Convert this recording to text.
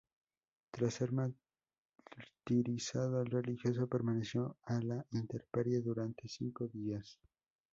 Tras ser martirizado, el religioso permaneció a la intemperie durante cinco días.